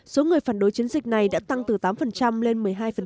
số người phản đối chiến dịch này đã tăng từ tám lên một mươi hai